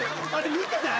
見てない？